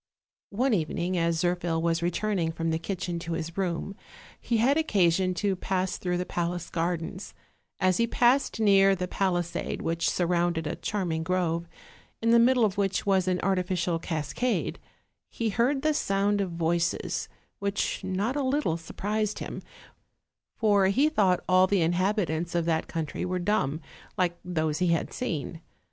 One evening, as Zirphil was returning from the kitchen to his room, he had occasion to pass through the palace gardens: as he passed near the palisade which surrounded a charming grove, in the middle of which was an artificial cascade, he heard the sound of voices, which not a little surprised him, for he thought all the inhabitants of that country were dumb, like those he had seen.